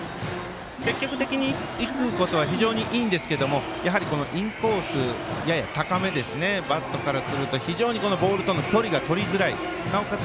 積極的にいくことは非常にいいんですけどやはりインコースやや高めですねバットからすると非常にボールとの距離がとりづらい、なおかつ